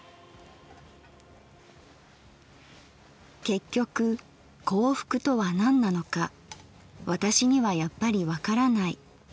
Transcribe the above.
「結局幸福とは何なのか私にはやっぱりわからない。